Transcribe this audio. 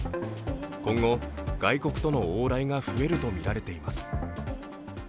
今後、外国との往来が増えるとみられています。